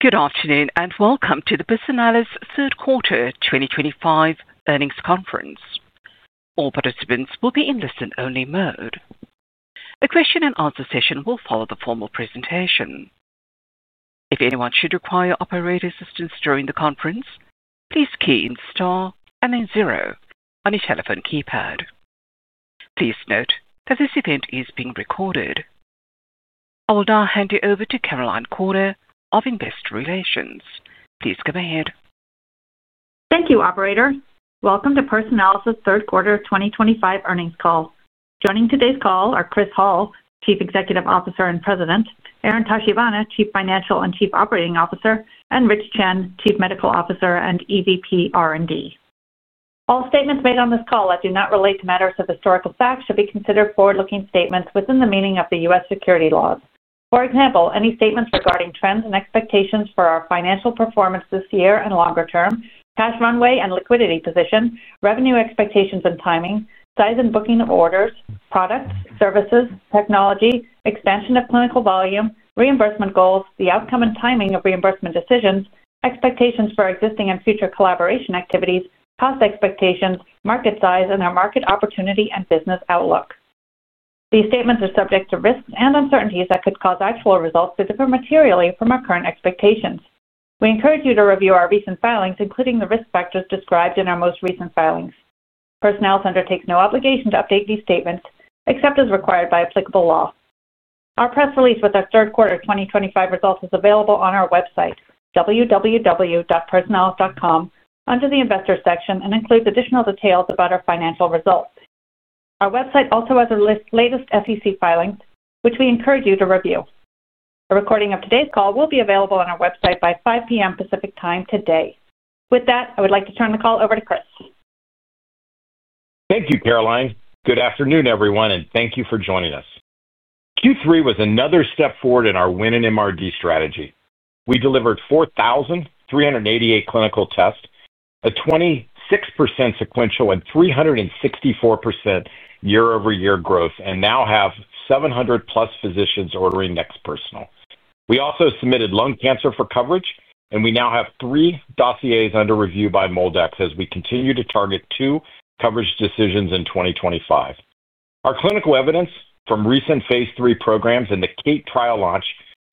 Good afternoon and welcome to the Personalis third quarter 2025 earnings conference. All participants will be in listen-only mode. A question-and-answer session will follow the formal presentation. If anyone should require operator assistance during the conference, please key in star and then zero on your telephone keypad. Please note that this event is being recorded. I will now hand you over to Caroline Corner of Investor Relations. Please go ahead. Thank you, Operator. Welcome to Personalis' third quarter 2025 earnings call. Joining today's call are Chris Hall, Chief Executive Officer and President; Aaron Tachibana, Chief Financial and Chief Operating Officer; and Rich Chen, Chief Medical Officer and EVP R&D. All statements made on this call that do not relate to matters of historical fact should be considered forward-looking statements within the meaning of the U.S. securities laws. For example, any statements regarding trends and expectations for our financial performance this year and longer term, cash runway and liquidity position, revenue expectations and timing, size and booking orders, products, services, technology, expansion of clinical volume, reimbursement goals, the outcome and timing of reimbursement decisions, expectations for existing and future collaboration activities, cost expectations, market size, and our market opportunity and business outlook. These statements are subject to risks and uncertainties that could cause actual results to differ materially from our current expectations. We encourage you to review our recent filings, including the risk factors described in our most recent filings. Personalis undertakes no obligation to update these statements except as required by applicable law. Our press release with our third quarter 2025 results is available on our website, www.personalis.com, under the Investor section, and includes additional details about our financial results. Our website also has our latest SEC filings, which we encourage you to review. A recording of today's call will be available on our website by 5:00 P.M. Pacific Time today. With that, I would like to turn the call over to Chris. Thank you, Caroline. Good afternoon, everyone, and thank you for joining us. Q3 was another step forward in our winning MRD strategy. We delivered 4,388 clinical tests, a 26% sequential and 364% year-over-year growth, and now have 700+ physicians ordering NeXT Personal. We also submitted lung cancer for coverage, and we now have three dossiers under review by MolDX as we continue to target two coverage decisions in 2025. Our clinical evidence from recent phase 3 programs and the CATE trial launch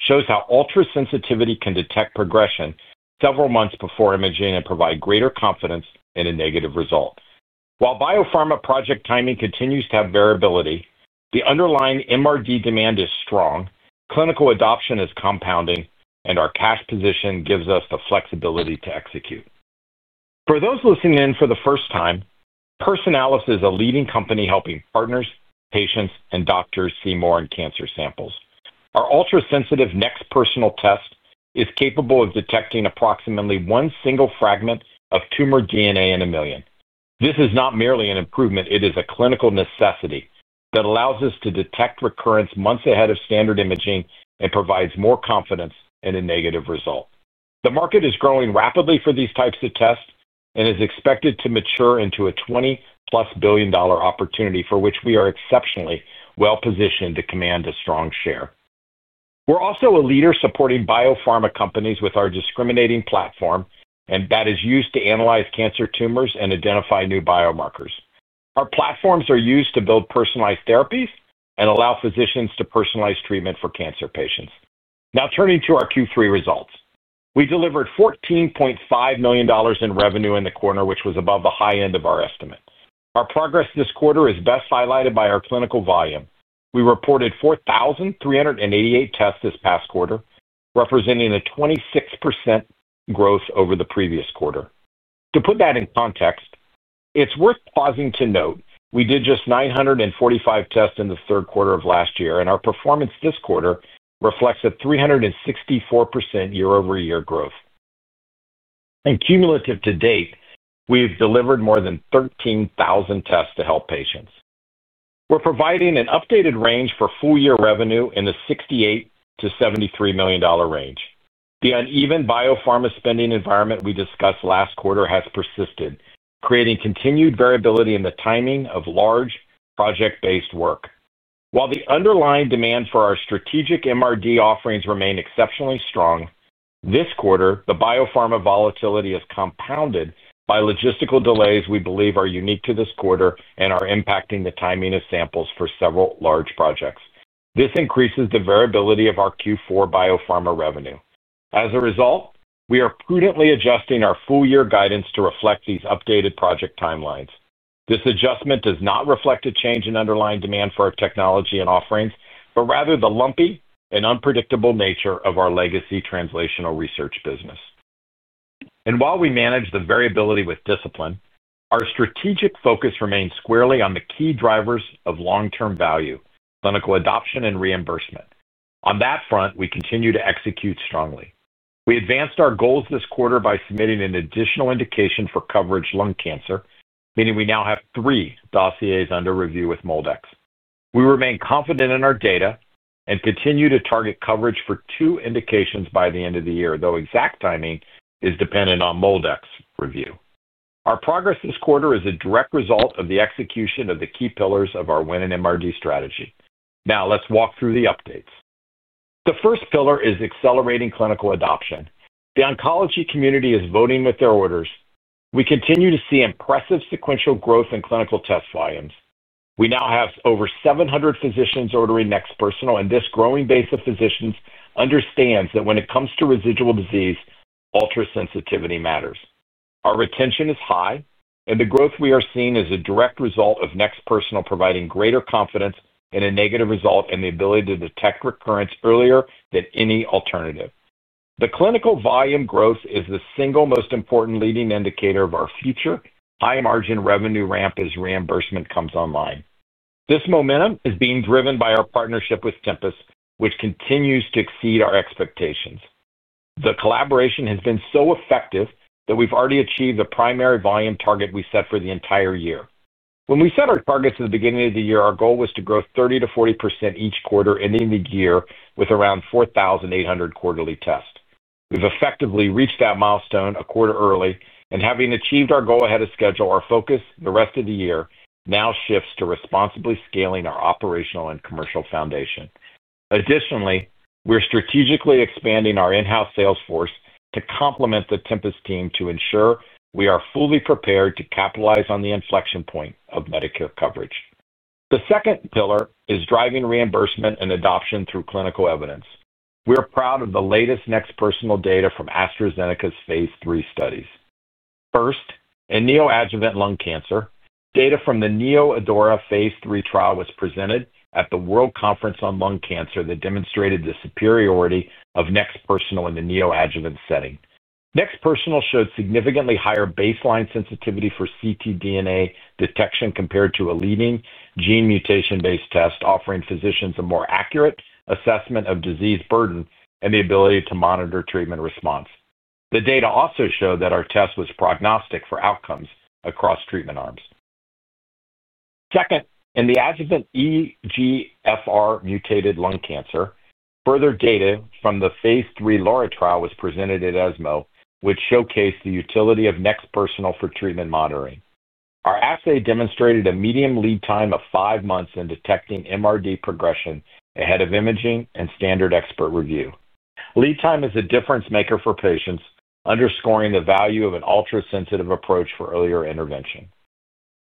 shows how ultrasensitivity can detect progression several months before imaging and provide greater confidence in a negative result. While biopharma project timing continues to have variability, the underlying MRD demand is strong, clinical adoption is compounding, and our cash position gives us the flexibility to execute. For those listening in for the first time, Personalis is a leading company helping partners, patients, and doctors see more in cancer samples. Our ultrasensitive NeXT Personal test is capable of detecting approximately one single fragment of tumor DNA in a million. This is not merely an improvement, it is a clinical necessity that allows us to detect recurrence months ahead of standard imaging and provides more confidence in a negative result. The market is growing rapidly for these types of tests and is expected to mature into a $20+ billion opportunity for which we are exceptionally well-positioned to command a strong share. We're also a leader supporting biopharma companies with our discriminating platform that is used to analyze cancer tumors and identify new biomarkers. Our platforms are used to build personalized therapies and allow physicians to personalize treatment for cancer patients. Now, turning to our Q3 results, we delivered $14.5 million in revenue in the quarter, which was above the high end of our estimate. Our progress this quarter is best highlighted by our clinical volume. We reported 4,388 tests this past quarter, representing a 26% growth over the previous quarter. To put that in context, it's worth pausing to note we did just 945 tests in the third quarter of last year, and our performance this quarter reflects a 364% year-over-year growth. Cumulative to date, we've delivered more than 13,000 tests to help patients. We're providing an updated range for full-year revenue in the $68 million-$73 million range. The uneven biopharma spending environment we discussed last quarter has persisted, creating continued variability in the timing of large project-based work. While the underlying demand for our strategic MRD offerings remained exceptionally strong, this quarter, the biopharma volatility is compounded by logistical delays we believe are unique to this quarter and are impacting the timing of samples for several large projects. This increases the variability of our Q4 biopharma revenue. As a result, we are prudently adjusting our full-year guidance to reflect these updated project timelines. This adjustment does not reflect a change in underlying demand for our technology and offerings, but rather the lumpy and unpredictable nature of our legacy translational research business. And while we manage the variability with discipline, our strategic focus remains squarely on the key drivers of long-term value: clinical adoption and reimbursement. On that front, we continue to execute strongly. We advanced our goals this quarter by submitting an additional indication for coverage lung cancer, meaning we now have three dossiers under review with MolDX. We remain confident in our data and continue to target coverage for two indications by the end of the year, though exact timing is dependent on MolDX review. Our progress this quarter is a direct result of the execution of the key pillars of our win in MRD strategy. Now, let's walk through the updates. The first pillar is accelerating clinical adoption. The oncology community is voting with their orders. We continue to see impressive sequential growth in clinical test volumes. We now have over 700 physicians ordering NeXT Personal, and this growing base of physicians understands that when it comes to residual disease, ultrasensitivity matters. Our retention is high, and the growth we are seeing is a direct result of NeXT Personal providing greater confidence in a negative result and the ability to detect recurrence earlier than any alternative. The clinical volume growth is the single most important leading indicator of our future high-margin revenue ramp as reimbursement comes online. This momentum is being driven by our partnership with Tempus, which continues to exceed our expectations. The collaboration has been so effective that we've already achieved the primary volume target we set for the entire year. When we set our targets at the beginning of the year, our goal was to grow 30%-40% each quarter, ending the year with around 4,800 quarterly tests. We've effectively reached that milestone a quarter early, and having achieved our goal ahead of schedule, our focus the rest of the year now shifts to responsibly scaling our operational and commercial foundation. Additionally, we're strategically expanding our in-house sales force to complement the Tempus team to ensure we are fully prepared to capitalize on the inflection point of Medicare coverage. The second pillar is driving reimbursement and adoption through clinical evidence. We are proud of the latest NeXT Personal data from AstraZeneca's phase 3 studies. First, in neoadjuvant lung cancer, data from the NeoAdora phase 3 trial was presented at the World Conference on Lung Cancer that demonstrated the superiority of NeXT Personal in the neoadjuvant setting. NeXT Personal showed significantly higher baseline sensitivity for ctDNA detection compared to a leading gene mutation-based test, offering physicians a more accurate assessment of disease burden and the ability to monitor treatment response. The data also showed that our test was prognostic for outcomes across treatment arms. Second, in the adjuvant EGFR-mutated lung cancer, further data from the phase 3 LARA trial was presented at ESMO, which showcased the utility of NeXT Personal for treatment monitoring. Our assay demonstrated a median lead time of 5 months in detecting MRD progression ahead of imaging and standard expert review. Lead time is a difference-maker for patients, underscoring the value of an ultrasensitive approach for earlier intervention.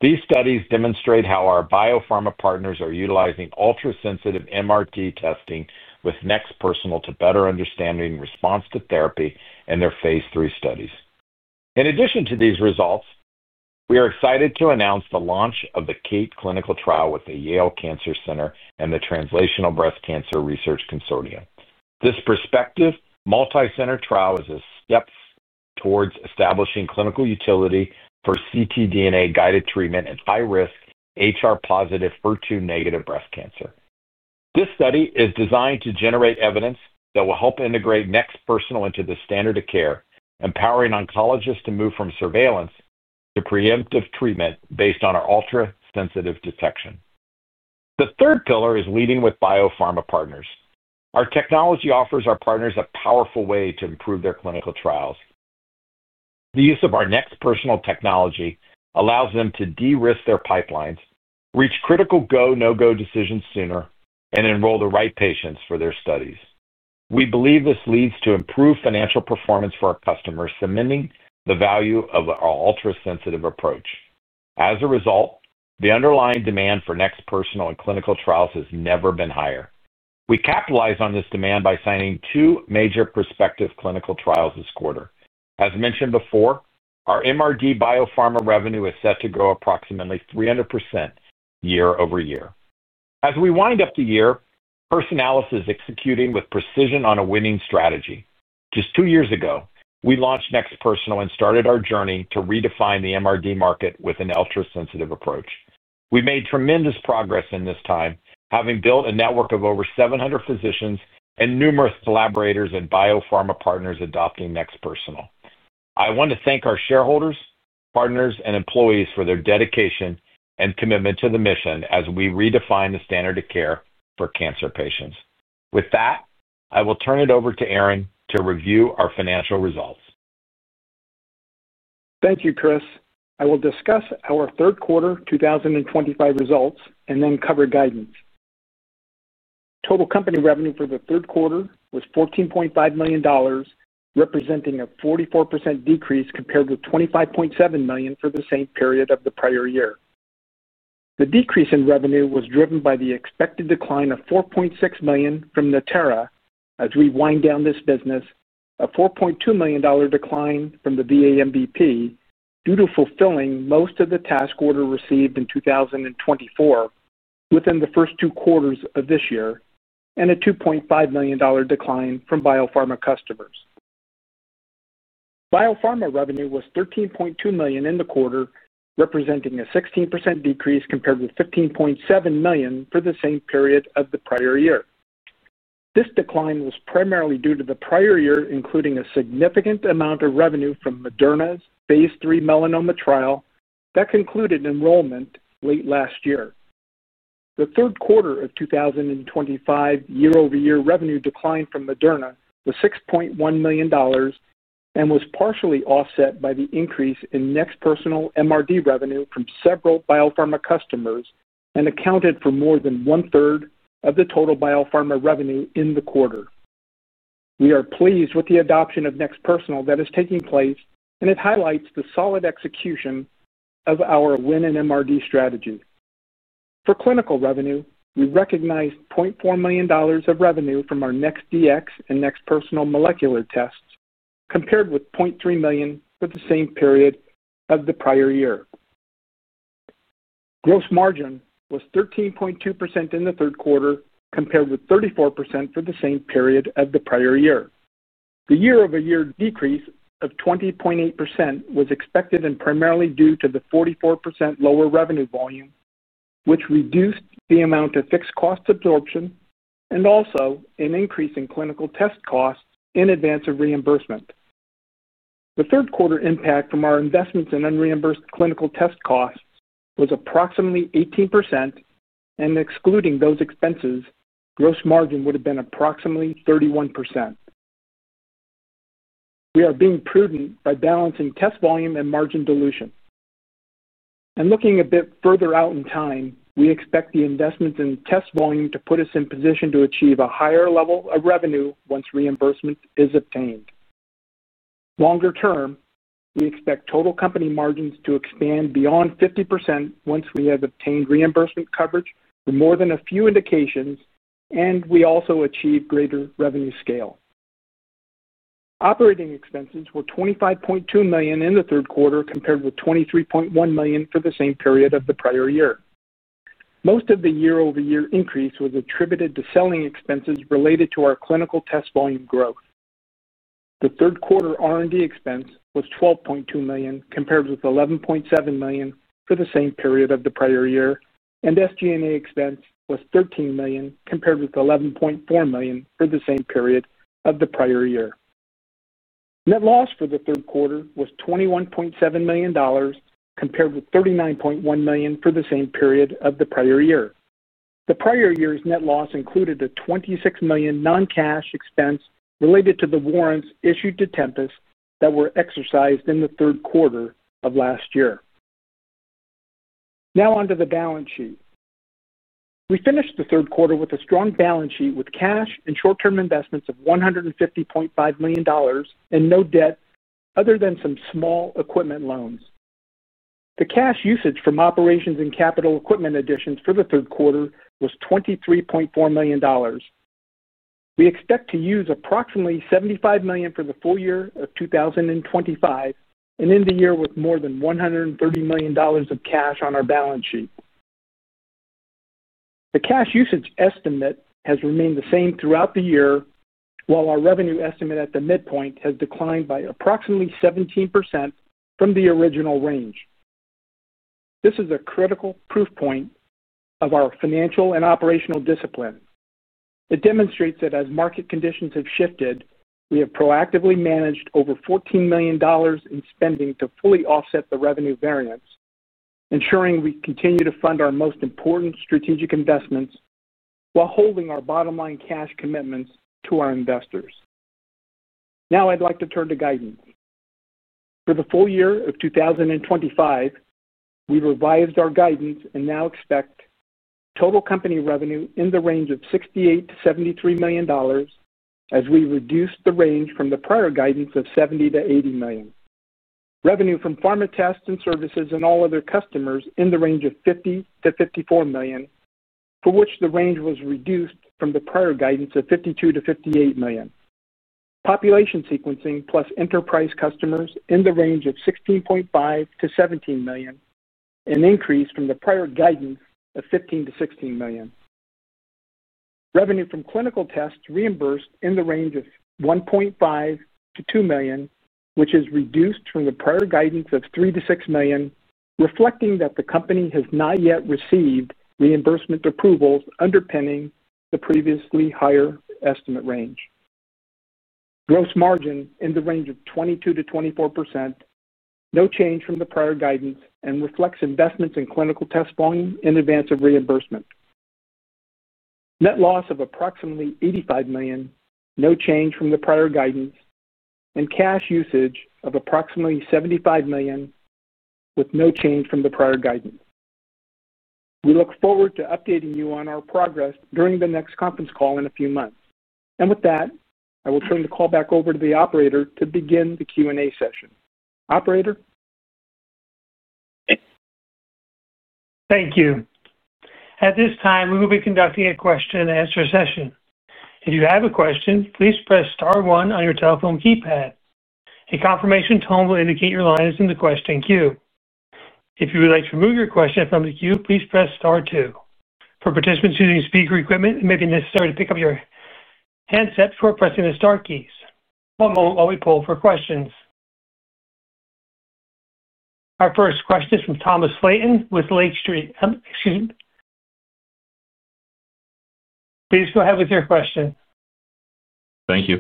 These studies demonstrate how our biopharma partners are utilizing ultrasensitive MRD testing with NeXT Personal to better understand the response to therapy in their phase 3 studies. In addition to these results, we are excited to announce the launch of the CATE clinical trial with the Yale Cancer Center and the Translational Breast Cancer Research Consortium. This prospective multi-center trial is a step towards establishing clinical utility for ctDNA-guided treatment in high-risk HR-positive, HER2-negative breast cancer. This study is designed to generate evidence that will help integrate NeXT Personal into the standard of care, empowering oncologists to move from surveillance to preemptive treatment based on our ultrasensitive detection. The third pillar is leading with biopharma partners. Our technology offers our partners a powerful way to improve their clinical trials. The use of our NeXT Personal technology allows them to de-risk their pipelines, reach critical go-no-go decisions sooner, and enroll the right patients for their studies. We believe this leads to improved financial performance for our customers, cementing the value of our ultrasensitive approach. As a result, the underlying demand for NeXT Personal and clinical trials has never been higher. We capitalize on this demand by signing two major prospective clinical trials this quarter. As mentioned before, our MRD biopharma revenue is set to grow approximately 300% year-over-year. As we wind up the year, Personalis is executing with precision on a winning strategy. Just two years ago, we launched NeXT Personal and started our journey to redefine the MRD market with an ultrasensitive approach. We've made tremendous progress in this time, having built a network of over 700 physicians and numerous collaborators and biopharma partners adopting NeXT Personal. I want to thank our shareholders, partners, and employees for their dedication and commitment to the mission as we redefine the standard of care for cancer patients. With that, I will turn it over to Aaron to review our financial results. Thank you, Chris. I will discuss our third quarter 2025 results and then cover guidance. Total company revenue for the third quarter was $14.5 million, representing a 44% decrease compared with $25.7 million for the same period of the prior year. The decrease in revenue was driven by the expected decline of $4.6 million from Natera as we wind down this business, a $4.2 million decline from the VA MVP due to fulfilling most of the task order received in 2024 within the first two quarters of this year, and a $2.5 million decline from biopharma customers. Biopharma revenue was $13.2 million in the quarter, representing a 16% decrease compared with $15.7 million for the same period of the prior year. This decline was primarily due to the prior year including a significant amount of revenue from Moderna's phase 3 melanoma trial that concluded enrollment late last year. The third quarter of 2025 year-over-year revenue declined from Moderna to $6.1 million and was partially offset by the increase in NeXT Personal MRD revenue from several biopharma customers and accounted for more than one-third of the total biopharma revenue in the quarter. We are pleased with the adoption of NeXT Personal that is taking place, and it highlights the solid execution of our win in MRD strategy. For clinical revenue, we recognized $0.4 million of revenue from our NeXT DX and NeXT Personal molecular tests compared with $0.3 million for the same period of the prior year. Gross margin was 13.2% in the third quarter compared with 34% for the same period of the prior year. The year-over-year decrease of 20.8% was expected and primarily due to the 44% lower revenue volume, which reduced the amount of fixed cost absorption and also an increase in clinical test costs in advance of reimbursement. The third quarter impact from our investments in unreimbursed clinical test costs was approximately 18%, and excluding those expenses, gross margin would have been approximately 31%. We are being prudent by balancing test volume and margin dilution. And looking a bit further out in time, we expect the investments in test volume to put us in position to achieve a higher level of revenue once reimbursement is obtained. Longer term, we expect total company margins to expand beyond 50% once we have obtained reimbursement coverage for more than a few indications, and we also achieve greater revenue scale. Operating expenses were $25.2 million in the third quarter compared with $23.1 million for the same period of the prior year. Most of the year-over-year increase was attributed to selling expenses related to our clinical test volume growth. The third quarter R&D expense was $12.2 million compared with $11.7 million for the same period of the prior year, and SG&A expense was $13 million compared with $11.4 million for the same period of the prior year. Net loss for the third quarter was $21.7 million compared with $39.1 million for the same period of the prior year. The prior year's net loss included a $26 million non-cash expense related to the warrants issued to Tempus that were exercised in the third quarter of last year. Now onto the balance sheet. We finished the third quarter with a strong balance sheet with cash and short-term investments of $150.5 million and no debt other than some small equipment loans. The cash usage from operations and capital equipment additions for the third quarter was $23.4 million. We expect to use approximately $75 million for the full year of 2025 and end the year with more than $130 million of cash on our balance sheet. The cash usage estimate has remained the same throughout the year, while our revenue estimate at the midpoint has declined by approximately 17% from the original range. This is a critical proof point of our financial and operational discipline. It demonstrates that as market conditions have shifted, we have proactively managed over $14 million in spending to fully offset the revenue variance, ensuring we continue to fund our most important strategic investments while holding our bottom-line cash commitments to our investors. Now I'd like to turn to guidance. For the full year of 2025, we revised our guidance and now expect total company revenue in the range of $68 million-$73 million as we reduced the range from the prior guidance of $70 million-$80 million. Revenue from pharma tests and services and all other customers in the range of $50 million-$54 million, for which the range was reduced from the prior guidance of $52 million-$58 million. Population sequencing plus enterprise customers in the range of $16.5 million-$17 million, an increase from the prior guidance of $15 million-$16 million. Revenue from clinical tests reimbursed in the range of $1.5 million-$2 million, which is reduced from the prior guidance of $3 million-$6 million, reflecting that the company has not yet received reimbursement approvals underpinning the previously higher estimate range. Gross margin in the range of 22%-24%. No change from the prior guidance and reflects investments in clinical test volume in advance of reimbursement. Net loss of approximately $85 million, no change from the prior guidance, and cash usage of approximately $75 million with no change from the prior guidance. We look forward to updating you on our progress during the next conference call in a few months. And with that, I will turn the call back over to the operator to begin the Q&A session. Operator. Thank you. At this time, we will be conducting a question-and-answer session. If you have a question, please press star one on your telephone keypad. A confirmation tone will indicate your line is in the question queue. If you would like to remove your question from the queue, please press star two. For participants using speaker equipment, it may be necessary to pick up your handset before pressing the star keys. While we poll for questions. Our first question is from Thomas Flaten with Lake Street Capital. Please go ahead with your question. Thank you.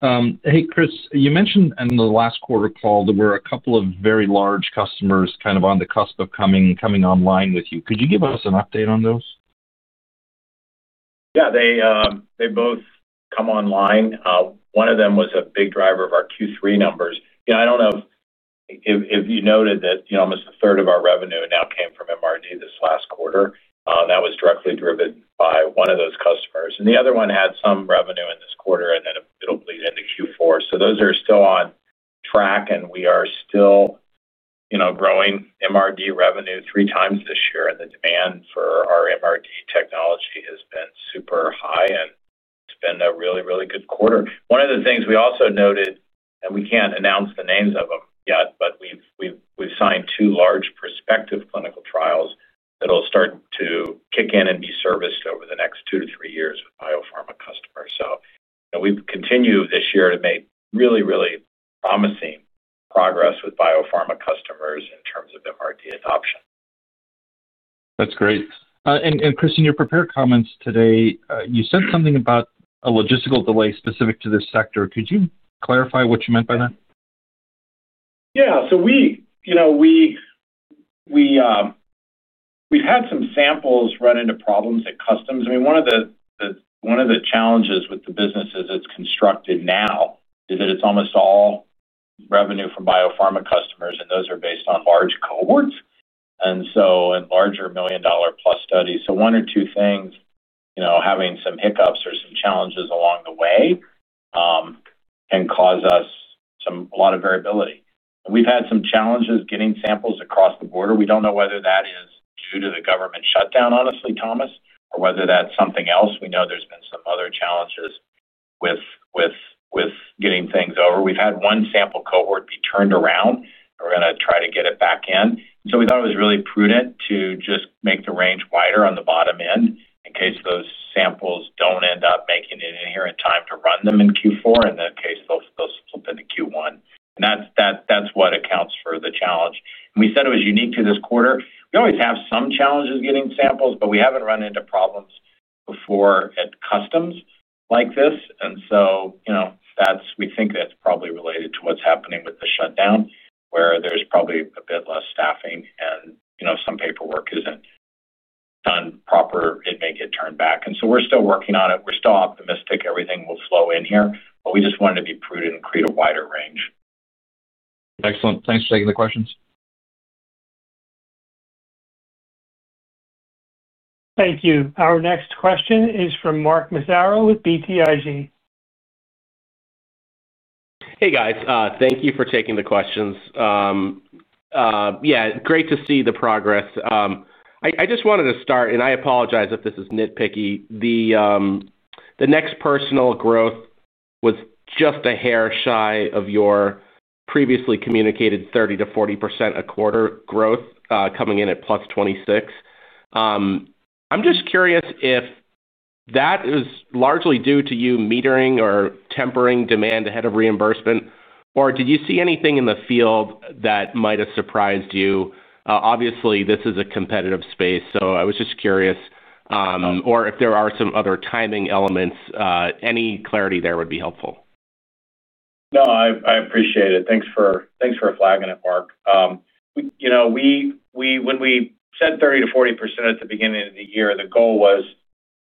Hey, Chris, you mentioned in the last quarter call that there were a couple of very large customers kind of on the cusp of coming online with you. Could you give us an update on those? Yeah, they both come online. One of them was a big driver of our Q3 numbers. I don't know if you noted that almost a third of our revenue now came from MRD this last quarter. That was directly driven by one of those customers. And the other one had some revenue in this quarter and then it'll bleed into Q4. So those are still on track, and we are still growing MRD revenue three times this year, and the demand for our MRD technology has been super high, and it's been a really, really good quarter. One of the things we also noted, and we can't announce the names of them yet, but we've signed two large prospective clinical trials that'll start to kick in and be serviced over the next two to three years with biopharma customers. So we've continued this year to make really, really promising progress with biopharma customers in terms of MRD adoption. That's great. And, Chris, in your prepared comments today, you said something about a logistical delay specific to this sector. Could you clarify what you meant by that? Yeah. So. We've had some samples run into problems at customs. I mean, one of the challenges with the business as it's constructed now is that it's almost all revenue from biopharma customers, and those are based on large cohorts and larger million-dollar-plus studies. So one or two things having some hiccups or some challenges along the way can cause us a lot of variability. And we've had some challenges getting samples across the border. We don't know whether that is due to the government shutdown, honestly, Thomas, or whether that's something else. We know there's been some other challenges with getting things over. We've had one sample cohort be turned around. We're going to try to get it back in. So we thought it was really prudent to just make the range wider on the bottom end in case those samples don't end up making it in time to run them in Q4, and in that case, they'll slip into Q1. And that's what accounts for the challenge. And we said it was unique to this quarter. We always have some challenges getting samples, but we haven't run into problems before at customs like this. And so we think that's probably related to what's happening with the shutdown, where there's probably a bit less staffing and some paperwork isn't done properly and may get turned back. And so we're still working on it. We're still optimistic everything will flow in here, but we just wanted to be prudent and create a wider range. Excellent. Thanks for taking the questions. Thank you. Our next question is from Mark Massaro with BTIG. Hey, guys. Thank you for taking the questions. Yeah, great to see the progress. I just wanted to start, and I apologize if this is nitpicky. NeXT Personal growth was just a hair shy of your previously communicated 30%-40% a quarter growth coming in at +26%. I'm just curious if that is largely due to you metering or tempering demand ahead of reimbursement, or did you see anything in the field that might have surprised you? Obviously, this is a competitive space, so I was just curious or if there are some other timing elements, any clarity there would be helpful. No, I appreciate it. Thanks for flagging it, Mark. When we said 30%-40% at the beginning of the year, the goal was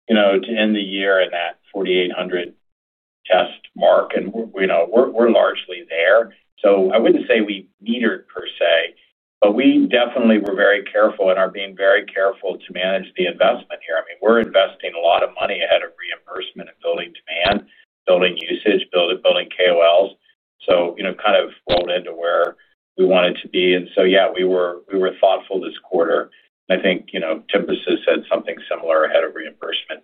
to end the year in that 4,800-test mark, and we're largely there. So I wouldn't say we met it per se, but we definitely were very careful and are being very careful to manage the investment here. I mean, we're investing a lot of money ahead of reimbursement and building demand, building usage, building KOLs. So kind of rolled into where we wanted to be. And so, yeah, we were thoughtful this quarter. And I think Tempus has said something similar ahead of reimbursement,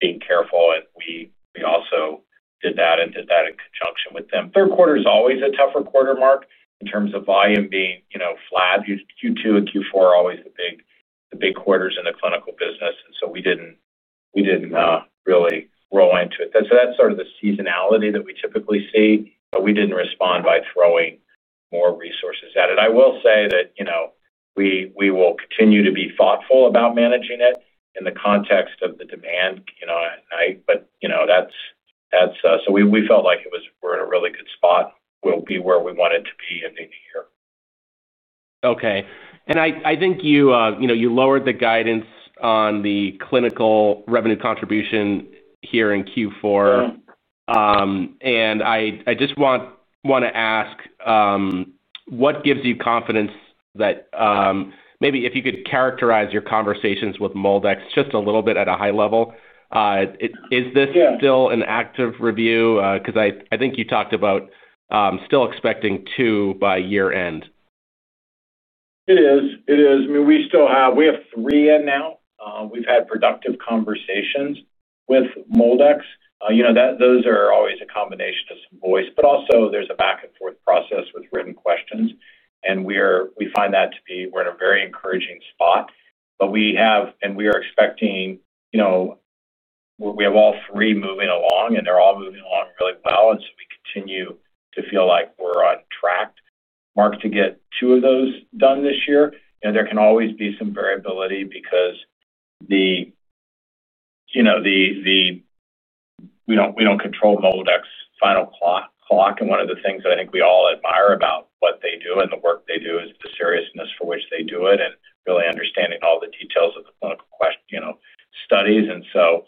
being careful and we also did that and did that in conjunction with them. Third quarter is always a tougher quarter, Mark, in terms of volume being flat. Q2 and Q4 are always the big quarters in the clinical business. And so we didn't really roll into it. So that's sort of the seasonality that we typically see, but we didn't respond by throwing more resources at it. I will say that we will continue to be thoughtful about managing it in the context of the demand. But so we felt like we're in a really good spot. We'll be where we wanted to be at the end of the year. Okay. And I think you lowered the guidance on the clinical revenue contribution here in Q4. And I just want to ask what gives you confidence that, maybe if you could characterize your conversations with MolDX just a little bit at a high level. Is this still an active review? Because I think you talked about still expecting two by year-end. It is. It is. I mean, we have three in now. We've had productive conversations with MolDX. Those are always a combination of some voice. But also, there's a back-and-forth process with written questions. And we find that to be we're in a very encouraging spot. But we are expecting. We have all three moving along, and they're all moving along really well. And so we continue to feel like we're on track. Mark, to get two of those done this year, there can always be some variability because we don't control MolDX's final clock. And one of the things that I think we all admire about what they do and the work they do is the seriousness for which they do it and really understanding all the details of the clinical studies and so,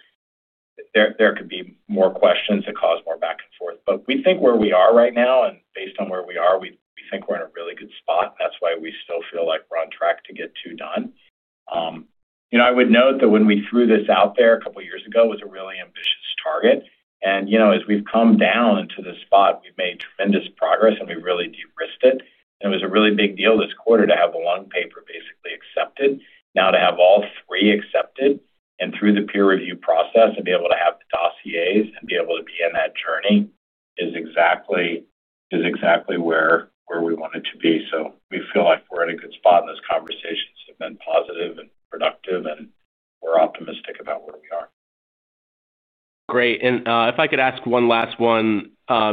there could be more questions that cause more back and forth. But we think where we are right now, and based on where we are, we think we're in a really good spot. And that's why we still feel like we're on track to get two done. I would note that when we threw this out there a couple of years ago, it was a really ambitious target. And as we've come down into this spot, we've made tremendous progress, and we really de-risked it. And it was a really big deal this quarter to have the one paper basically accepted. Now, to have all three accepted and through the peer review process and be able to have the dossiers and be able to be in that journey is exactly where we wanted to be. So we feel like we're in a good spot in this conversation. It's been positive and productive, and we're optimistic about where we are. Great. And if I could ask one last one,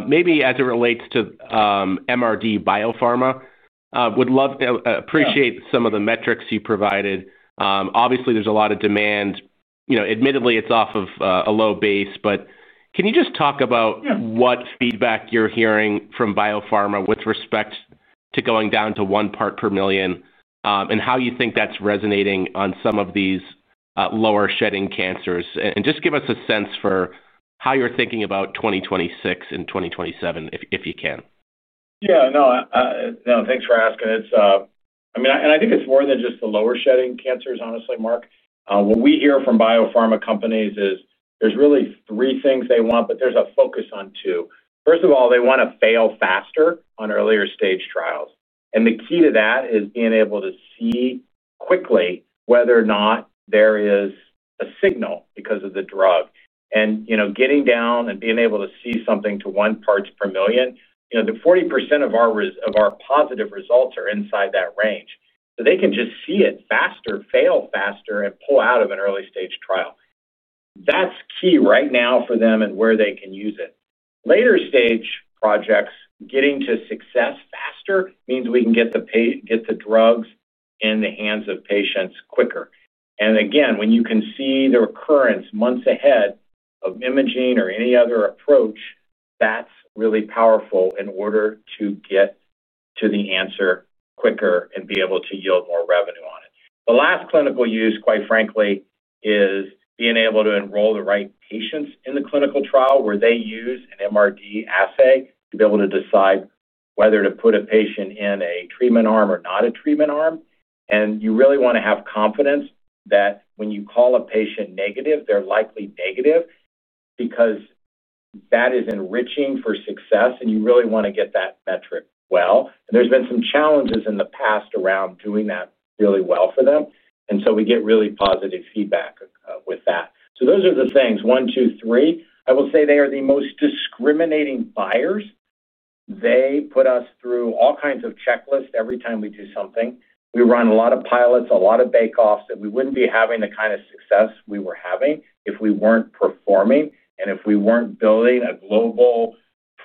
maybe as it relates to MRD biopharma, would love to appreciate some of the metrics you provided. Obviously, there's a lot of demand. Admittedly, it's off of a low base. But can you just talk about what feedback you're hearing from biopharma with respect to going down to one part per million and how you think that's resonating on some of these lower-shedding cancers? And just give us a sense for how you're thinking about 2026 and 2027, if you can. Yeah. No, thanks for asking. I mean, and I think it's more than just the lower-shedding cancers, honestly, Mark. What we hear from biopharma companies is there's really three things they want, but there's a focus on two. First of all, they want to fail faster on earlier-stage trials. And the key to that is being able to see quickly whether or not there is a signal because of the drug. And getting down and being able to see something to one part per million, 40% of our positive results are inside that range. So they can just see it faster, fail faster, and pull out of an early-stage trial. That's key right now for them and where they can use it. Later-stage projects, getting to success faster means we can get the drugs in the hands of patients quicker. And again, when you can see the recurrence months ahead of imaging or any other approach, that's really powerful in order to get to the answer quicker and be able to yield more revenue on it. The last clinical use, quite frankly, is being able to enroll the right patients in the clinical trial where they use an MRD assay to be able to decide whether to put a patient in a treatment arm or not a treatment arm. And you really want to have confidence that when you call a patient negative, they're likely negative because that is enriching for success, and you really want to get that metric well. And there's been some challenges in the past around doing that really well for them. And so we get really positive feedback with that. So those are the things. One, two, three, I will say they are the most discriminating buyers. They put us through all kinds of checklists every time we do something. We run a lot of pilots, a lot of bake-offs, and we wouldn't be having the kind of success we were having if we weren't performing and if we weren't building a global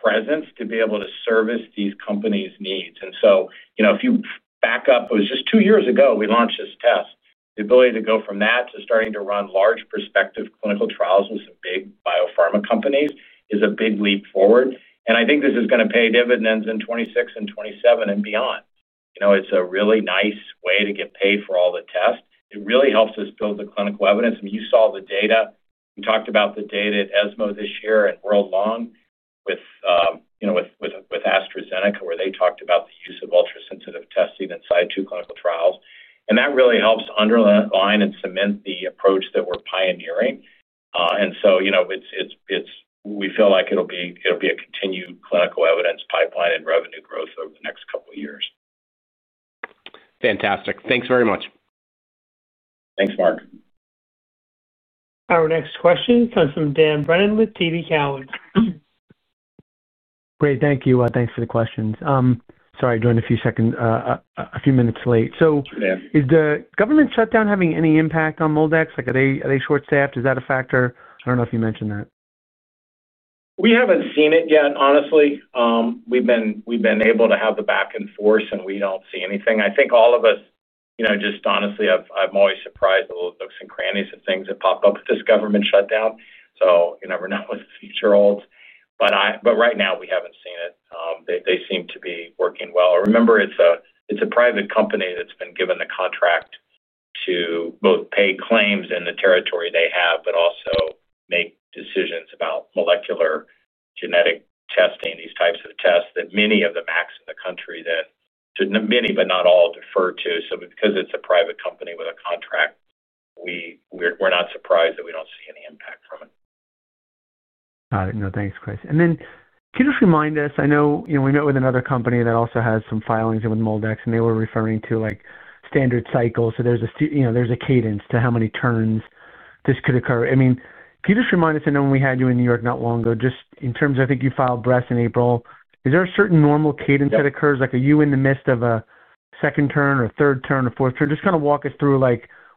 presence to be able to service these companies' needs. And so if you back up, it was just two years ago we launched this test. The ability to go from that to starting to run large prospective clinical trials with some big biopharma companies is a big leap forward. And I think this is going to pay dividends in 2026 and 2027 and beyond. It's a really nice way to get paid for all the tests. It really helps us build the clinical evidence. And you saw the data. We talked about the data at ESMO this year and worldwide with AstraZeneca, where they talked about the use of ultrasensitive testing inside two clinical trials. And that really helps underline and cement the approach that we're pioneering. And so we feel like it'll be a continued clinical evidence pipeline and revenue growth over the next couple of years. Fantastic. Thanks very much. Thanks, Mark. Our next question is from Dan Brennan with TD Cowen. Great. Thank you. Thanks for the questions. Sorry, I joined a few seconds, a few minutes late. So is the government shutdown having any impact on MolDX? Are they short-staffed? Is that a factor? I don't know if you mentioned that. We haven't seen it yet, honestly. We've been able to have the back and forth, and we don't see anything. I think all of us, just honestly, I'm always surprised at all the nooks and crannies of things that pop up with this government shutdown. So you never know what the future holds. But right now, we haven't seen it. They seem to be working well. I remember it's a private company that's been given the contract to both pay claims in the territory they have, but also make decisions about molecular genetic testing, these types of tests that many of the MACs in the country that many, but not all, defer to. So because it's a private company with a contract, we're not surprised that we don't see any impact from it. Got it. No, thanks, Chris. And then can you just remind us? I know we met with another company that also has some filings with MolDX, and they were referring to standard cycles. So there's a cadence to how many turns this could occur. I mean, can you just remind us? I know we had you in New York not long ago, just in terms of I think you filed breast in April. Is there a certain normal cadence that occurs? Are you in the midst of a second turn or a third turn or fourth turn? Just kind of walk us through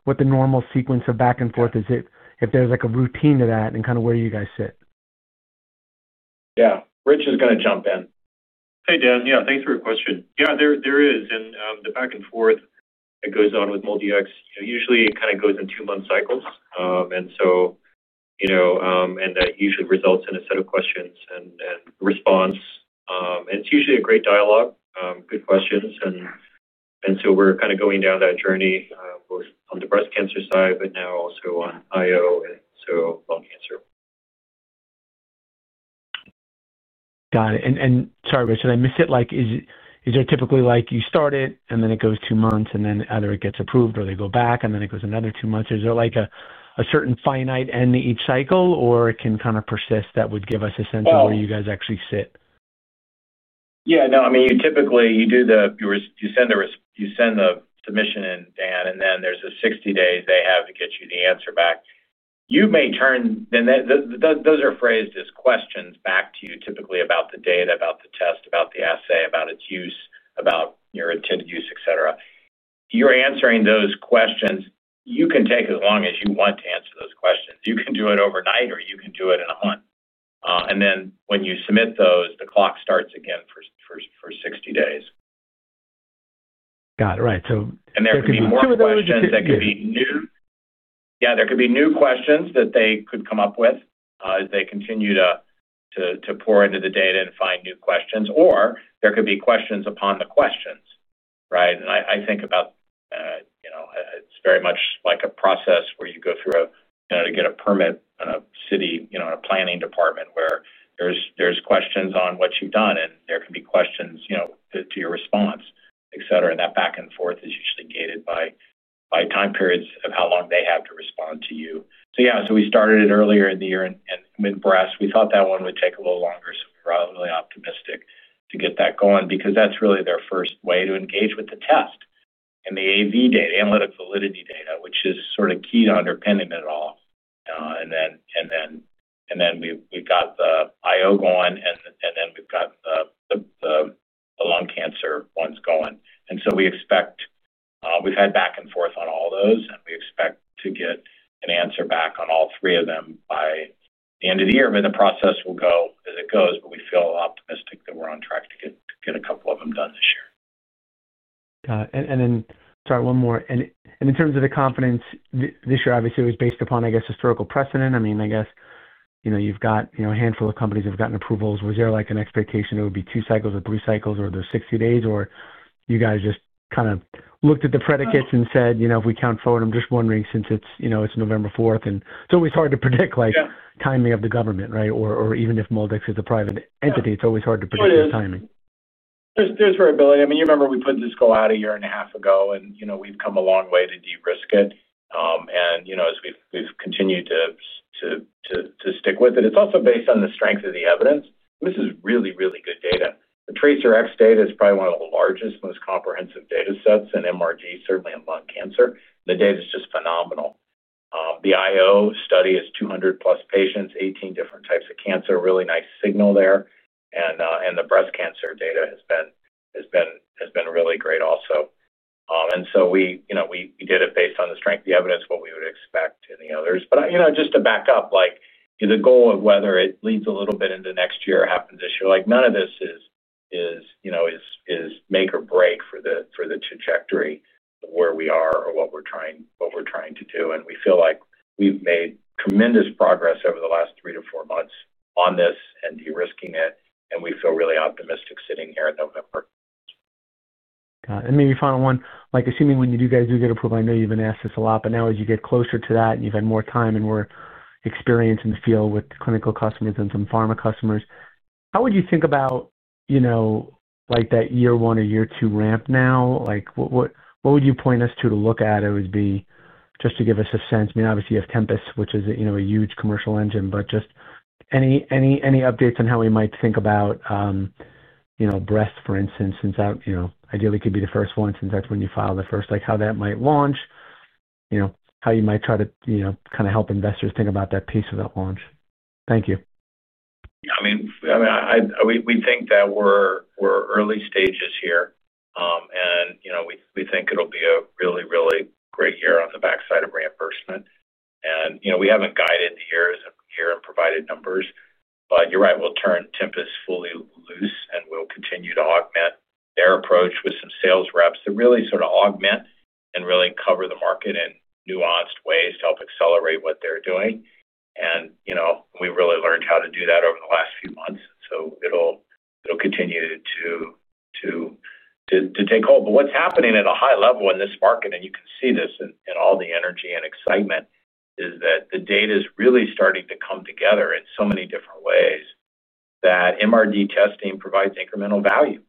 what the normal sequence of back and forth is, if there's a routine to that, and kind of where you guys sit. Yeah. Rich is going to jump in. Hey, Dan. Yeah, thanks for your question. Yeah, there is. And the back and forth that goes on with MolDX usually kind of goes in two-month cycles. And so, that usually results in a set of questions and response. And it's usually a great dialogue, good questions. And so we're kind of going down that journey both on the breast cancer side, but now also on IO and so lung cancer. Got it. And sorry, Rich, did I miss it? Is there typically you start it, and then it goes two months, and then either it gets approved or they go back, and then it goes another two months? Is there a certain finite end to each cycle, or it can kind of persist? That would give us a sense of where you guys actually sit. Yeah. No, I mean, typically, you send the submission in, Dan, and then there's a 60 days they have to get you the answer back. They may turn those. Those are phrased as questions back to you typically about the data, about the test, about the assay, about its use, about your intended use, et cetera. You're answering those questions. You can take as long as you want to answer those questions. You can do it overnight, or you can do it in a month. And then when you submit those, the clock starts again for 60 days. Got it. Right. So. And there could be more questions that could be new. Yeah, there could be new questions that they could come up with as they continue to pour into the data and find new questions. Or there could be questions upon the questions, right? And I think about. It's very much like a process where you go through to get a permit in a city, in a planning department, where there's questions on what you've done, and there can be questions to your response, et cetera. And that back and forth is usually gated by time periods of how long they have to respond to you. So yeah, so we started it earlier in the year with breasts. We thought that one would take a little longer, so we were really optimistic to get that going because that's really their first way to engage with the test and the AV data, analytic validity data, which is sort of key to underpinning it all. And then we've got the IO going, and then we've got the lung cancer ones going. And so we expect. We've had back and forth on all those, and we expect to get an answer back on all three of them by the end of the year. I mean, the process will go as it goes, but we feel optimistic that we're on track to get a couple of them done this year. Got it. And then, sorry, one more. And in terms of the confidence this year, obviously, it was based upon, I guess, historical precedent. I mean, I guess you've got a handful of companies that have gotten approvals. Was there an expectation it would be two cycles or three cycles or the 60 days, or you guys just kind of looked at the predicates and said, "If we count forward, I'm just wondering since it's November 4th." And it's always hard to predict timing of the government, right? Or even if MolDX is a private entity, it's always hard to predict the timing. There's variability. I mean, you remember we put this goal out a year and a half ago, and we've come a long way to de-risk it. And as we've continued to stick with it, it's also based on the strength of the evidence. This is really, really good data. The TracerX data is probably one of the largest, most comprehensive data sets, and MRD, certainly in lung cancer. The data is just phenomenal. The IO study is 200+ patients, 18 different types of cancer, really nice signal there, and the breast cancer data has been really great also. And so we did it based on the strength of the evidence, what we would expect, and the others. But just to back up, the goal of whether it leads a little bit into next year or happens this year, none of this is make or break for the trajectory of where we are or what we're trying to do. And we feel like we've made tremendous progress over the last three to four months on this and de-risking it, and we feel really optimistic sitting here in November. Got it. And maybe the final one, assuming when you guys do get approval, I know you've been asked this a lot, but now as you get closer to that and you've had more time and more experience in the field with clinical customers and some pharma customers, how would you think about that year one or year two ramp now? What would you point us to look at? It would be just to give us a sense. I mean, obviously, you have Tempus, which is a huge commercial engine, but just. Any updates on how we might think about breast, for instance, since ideally, it could be the first one since that's when you file the first, how that might launch, how you might try to kind of help investors think about that piece of that launch. Thank you. Yeah. I mean, we think that we're early stages here, and we haven't guided the year and provided numbers, but you're right. We'll turn Tempus fully loose, and we'll continue to augment their approach with some sales reps that really sort of augment and really cover the market in nuanced ways to help accelerate what they're doing. And we really learned how to do that over the last few months, and so it'll continue to take hold. But what's happening at a high level in this market, and you can see this in all the energy and excitement, is that the data is really starting to come together in so many different ways that MRD testing provides incremental value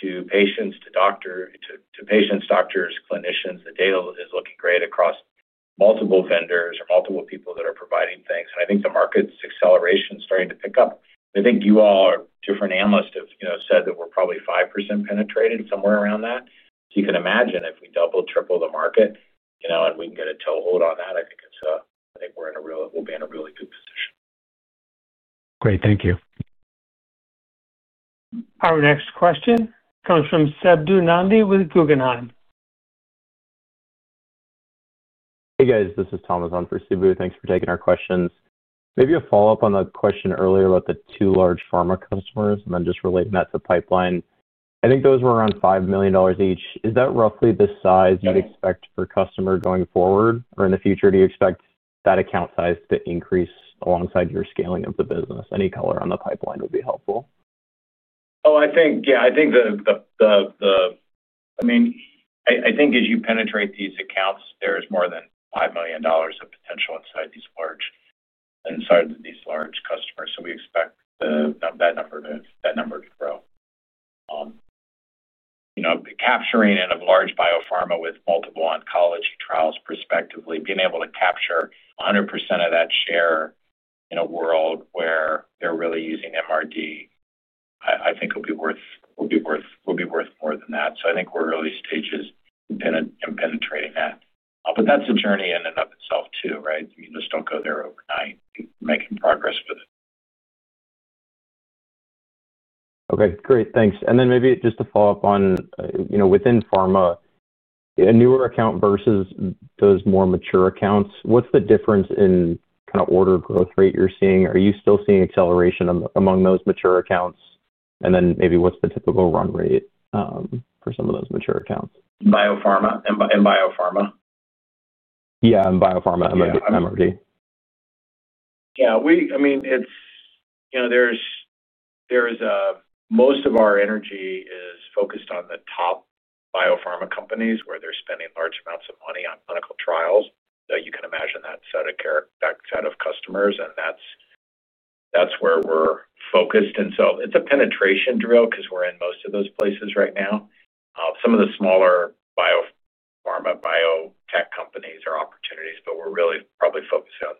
to patients, to doctors, clinicians, the data is looking great across multiple vendors or multiple people that are providing things. And I think the market's acceleration is starting to pick up. I think you all, different analysts, have said that we're probably 5% penetrated, somewhere around that, so you can imagine if we double, triple the market and we can get a toehold on that, I think, so I think we'll be in a really good position. Great. Thank you. Our next question comes from Subbu Nambi with Guggenheim. Hey, guys. This is Thomas on for Subbu. Thanks for taking our questions. Maybe a follow-up on the question earlier about the two large pharma customers and then just relating that to pipeline. I think those were around $5 million each. Is that roughly the size you'd expect for a customer going forward? Or in the future, do you expect that account size to increase alongside your scaling of the business? Any color on the pipeline would be helpful. Oh, yeah. I mean, I think as you penetrate these accounts, there's more than $5 million of potential inside these large customers. So we expect that number to grow. Capturing in a large biopharma with multiple oncology trials prospectively, being able to capture 100% of that share in a world where they're really using MRD. I think it'll be worth more than that. So I think we're early stages in penetrating that. But that's a journey in and of itself, too, right? I mean, you just don't go there overnight. You're making progress with it. Okay. Great. Thanks. And then maybe just to follow up on within pharma. A newer account versus those more mature accounts, what's the difference in kind of order growth rate you're seeing? Are you still seeing acceleration among those mature accounts? And then maybe what's the typical run rate for some of those mature accounts? In biopharma? Yeah, in biopharma, MRD. Yeah. I mean, most of our energy is focused on the top biopharma companies where they're spending large amounts of money on clinical trials. You can imagine that set of customers, and that's where we're focused. And so it's a penetration drill because we're in most of those places right now. Some of the smaller biopharma biotech companies are opportunities, but we're really probably focusing on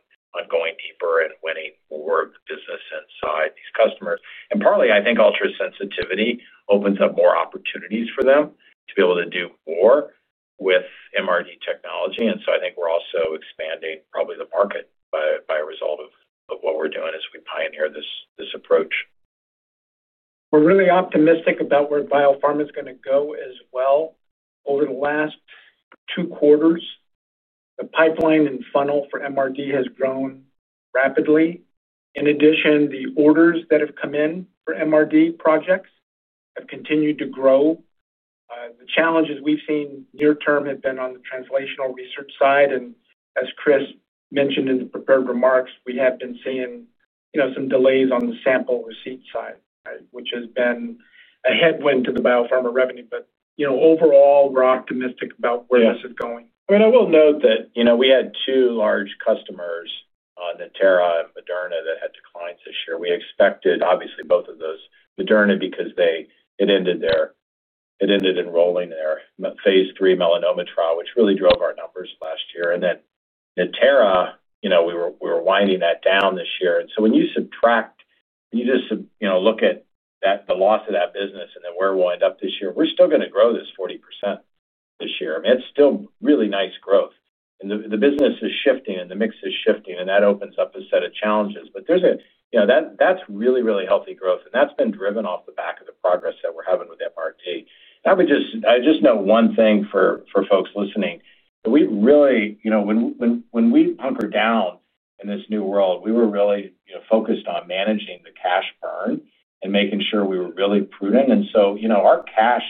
going deeper and winning more of the business inside these customers. And partly, I think ultrasensitivity opens up more opportunities for them to be able to do more with MRD technology, and so I think we're also expanding probably the market by a result of what we're doing as we pioneer this approach. We're really optimistic about where biopharma is going to go as well. Over the last two quarters, the pipeline and funnel for MRD has grown rapidly. In addition, the orders that have come in for MRD projects have continued to grow. The challenges we've seen near-term have been on the translational research side, and as Chris mentioned in the prepared remarks, we have been seeing some delays on the sample receipt side, which has been a headwind to the biopharma revenue, but overall, we're optimistic about where this is going. I mean, I will note that we had two large customers, Natera and Moderna, that had declines this year. We expected, obviously, both of those. Moderna because it ended in rolling their phase 3 melanoma trial, which really drove our numbers last year. And then Natera, we were winding that down this year. And so when you subtract, when you just look at the loss of that business and then where we'll end up this year, we're still going to grow this 40% this year. I mean, it's still really nice growth. And the business is shifting, and the mix is shifting, and that opens up a set of challenges. But that's really, really healthy growth. And that's been driven off the back of the progress that we're having with MRD. I just know one thing for folks listening. We really, when we hunkered down in this new world, we were really focused on managing the cash burn and making sure we were really prudent. And so our cash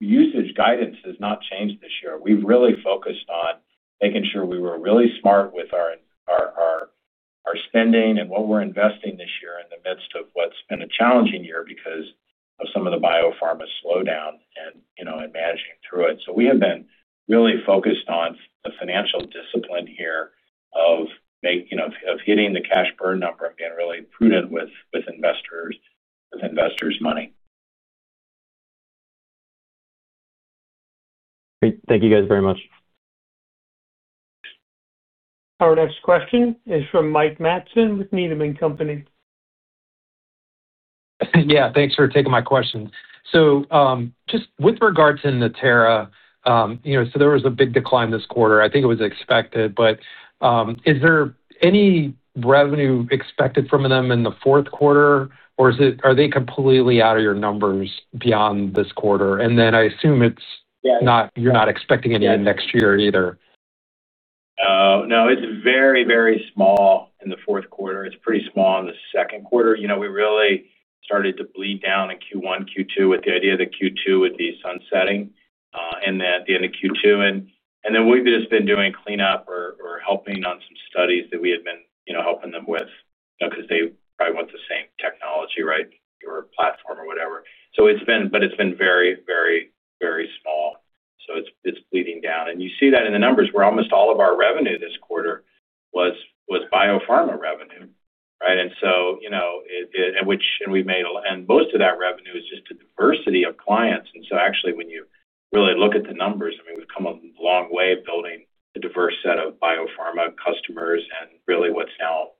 usage guidance has not changed this year. We've really focused on making sure we were really smart with our spending and what we're investing this year in the midst of what's been a challenging year because of some of the biopharma slowdown and managing through it. So we have been really focused on the financial discipline here of hitting the cash burn number and being really prudent with investors' money. Great. Thank you guys very much. Thanks. Our next question is from Mike Matson with Needham & Company. Yeah. Thanks for taking my question. So just with regards to Natera. So there was a big decline this quarter. I think it was expected, but is there any revenue expected from them in the fourth quarter, or are they completely out of your numbers beyond this quarter? And then I assume you're not expecting any in next year either. No. It's very, very small in the fourth quarter. It's pretty small in the second quarter. We really started to bleed down in Q1, Q2 with the idea that Q2 would be sunsetting and then at the end of Q2. And then we've just been doing cleanup or helping on some studies that we had been helping them with because they probably want the same technology, right, or platform or whatever. But it's been very, very, very small. So it's bleeding down. And you see that in the numbers where almost all of our revenue this quarter was biopharma revenue, right? And most of that revenue is just the diversity of clients. And so actually, when you really look at the numbers, I mean, we've come a long way building a diverse set of biopharma customers and really what's now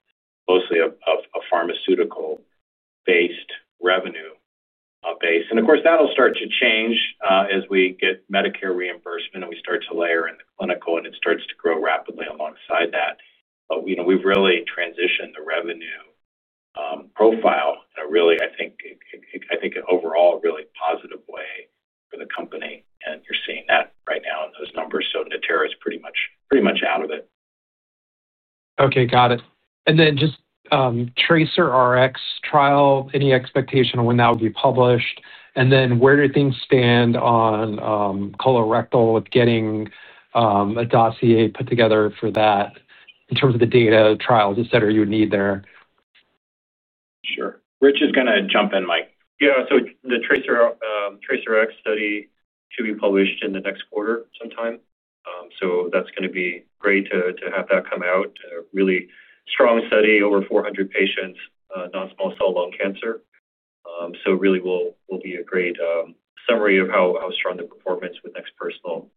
mostly a pharmaceutical-based revenue base. And of course, that'll start to change as we get Medicare reimbursement and we start to layer in the clinical, and it starts to grow rapidly alongside that. But we've really transitioned the revenue profile in a really, I think, overall a really positive way for the company. And you're seeing that right now in those numbers, so Natera is pretty much out of it. Okay. Got it. And then just TracerX trial, any expectation on when that would be published? And then where do things stand on colorectal with getting a dossier put together for that in terms of the data, trials, et cetera, you would need there? Sure. Rich is going to jump in, Mike. Yeah. So the TracerX study should be published in the next quarter sometime. So that's going to be great to have that come out really strong study, over 400 patients, non-small cell lung cancer. So really, it will be a great summary of how strong the performance with NeXT Personal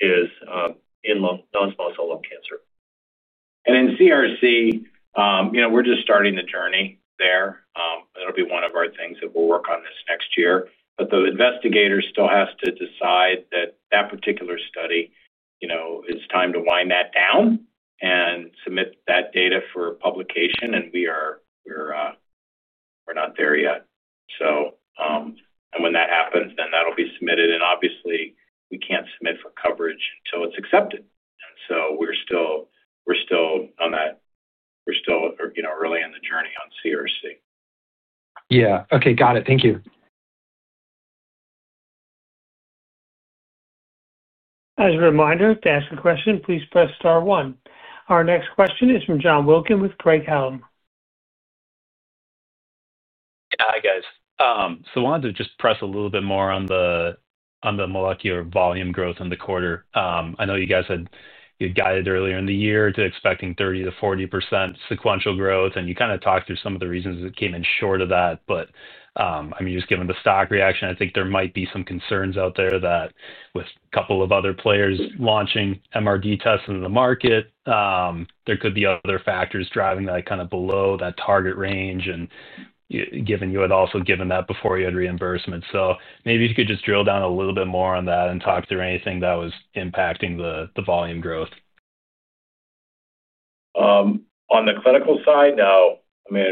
is in non-small cell lung cancer. And in CRC, we're just starting the journey there. It'll be one of our things that we'll work on this next year. But the investigator still has to decide that that particular study it's time to wind that down and submit that data for publication. And we're not there yet. So and when that happens, then that'll be submitted. And obviously, we can't submit for coverage until it's accepted. And so we're still on that. We're still really in the journey on CRC. Yeah. Okay. Got it. Thank you. As a reminder, to ask a question, please press star one. Our next question is from John Wilkin with Craig-Hallum. Yeah. Hi, guys. So I wanted to just press a little bit more on the molecular volume growth in the quarter. I know you guys had guided earlier in the year to expecting 30%-40% sequential growth. And you kind of talked through some of the reasons that came in short of that. But I mean, just given the stock reaction, I think there might be some concerns out there that with a couple of other players launching MRD tests into the market, there could be other factors driving that kind of below that target range and also given that before you had reimbursement. So maybe if you could just drill down a little bit more on that and talk through anything that was impacting the volume growth? On the clinical side, no. I mean,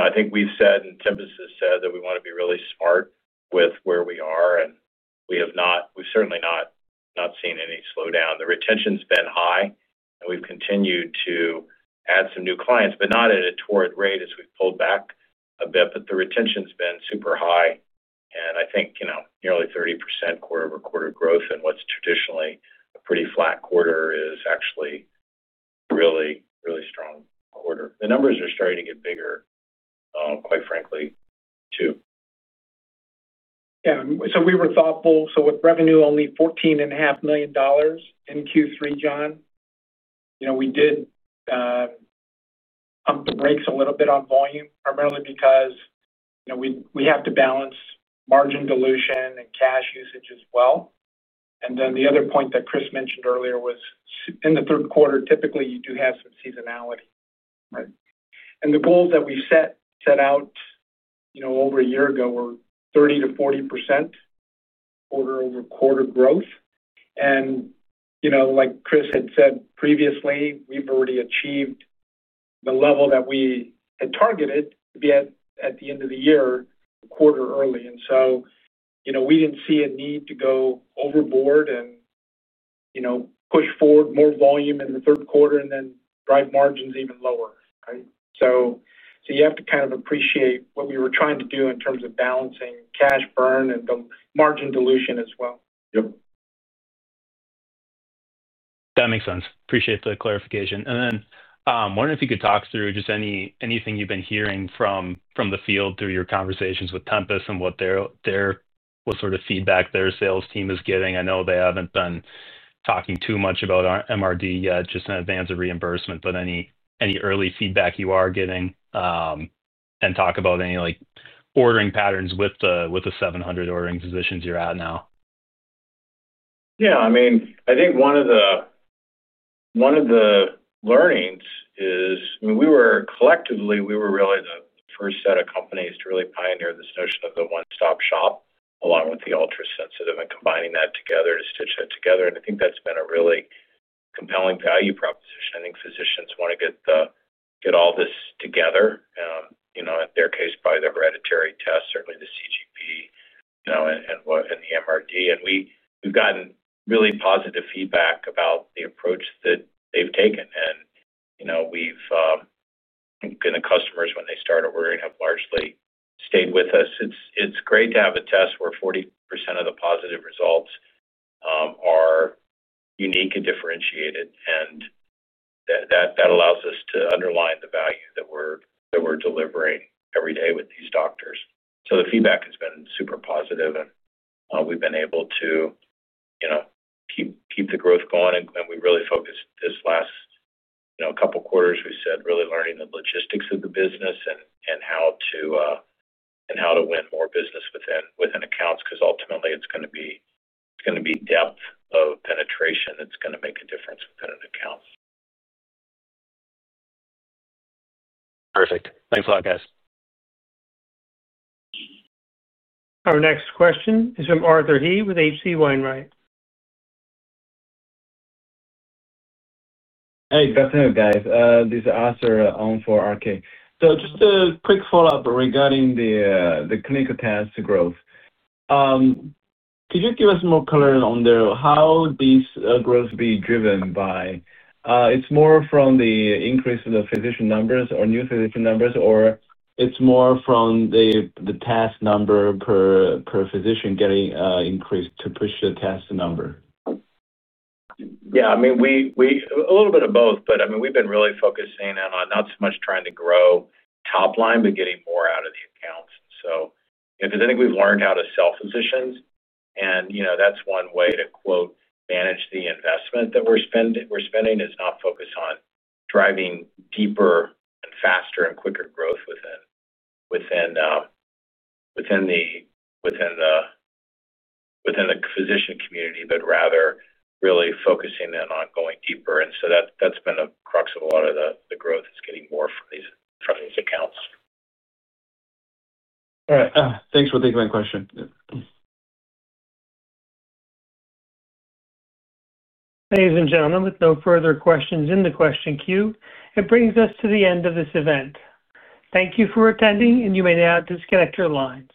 I think we've said and Tim has said that we want to be really smart with where we are and we've certainly not seen any slowdown. The retention's been high and we've continued to add some new clients, but not at a torrid rate as we've pulled back a bit but the retention's been super high and I think nearly 30% quarter-over-quarter growth and what's traditionally a pretty flat quarter is actually a really, really strong quarter. The numbers are starting to get bigger, quite frankly, too. Yeah. So we were thoughtful. So with revenue only $14.5 million in Q3, John, we did pump the brakes a little bit on volume, primarily because we have to balance margin dilution and cash usage as well. And then the other point that Chris mentioned earlier was in the third quarter, typically, you do have some seasonality, and the goals that we set out over a year ago were 30%-40% quarter-over-quarter growth. Like Chris had said previously, we've already achieved the level that we had targeted to be at the end of the year a quarter early. And so we didn't see a need to go overboard and push forward more volume in the third quarter and then drive margins even lower, right? So you have to kind of appreciate what we were trying to do in terms of balancing cash burn and the margin dilution as well. Yep. That makes sense. Appreciate the clarification. And then wondering if you could talk through just anything you've been hearing from the field through your conversations with Tempus and what sort of feedback their sales team is getting. I know they haven't been talking too much about MRD yet, just in advance of reimbursement. But any early feedback you are getting, and talk about any ordering patterns with the 700 ordering positions you're at now? Yeah. I mean, I think one of the learnings is, I mean, collectively, we were really the first set of companies to really pioneer this notion of the one-stop shop along with the ultrasensitive and combining that together to stitch that together. I think that's been a really compelling value proposition. I think physicians want to get all this together. In their case, probably the hereditary test, certainly the CGP and the MRD. We've gotten really positive feedback about the approach that they've taken. We've been to customers when they started ordering. They have largely stayed with us. It's great to have a test where 40% of the positive results are unique and differentiated, and that allows us to underline the value that we're delivering every day with these doctors. So the feedback has been super positive, and we've been able to keep the growth going. We really focused this last couple of quarters. We've said really learning the logistics of the business and how to win more business within accounts because ultimately, it's going to be depth of penetration that's going to make a difference within an account. Perfect. Thanks a lot, guys. Our next question is from Arthur He with H.C. Wainwright. Hey, good afternoon, guys. This is Arthur on for R. K. So, just a quick follow-up regarding the clinical test growth. Could you give us more color on how this growth will be driven by? It's more from the increase in the physician numbers or new physician numbers, or it's more from the test number per physician getting increased to push the test number? Yeah, I mean, a little bit of both. But I mean, we've been really focusing in on not so much trying to grow top line, but getting more out of the accounts. Because I think we've learned how to sell physicians. And that's one way to, quote, manage the investment that we're spending: not focused on driving deeper and faster and quicker growth within the physician community, but rather really focusing in on going deeper. And so that's been a crux of a lot of the growth: getting more from these accounts. All right. Thanks for taking my question. Ladies and gentlemen, with no further questions in the question queue, it brings us to the end of this event. Thank you for attending, and you may now disconnect your lines.